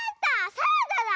サラダだ！